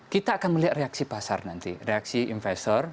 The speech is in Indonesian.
kita akan melihat reaksi pasar nanti reaksi investor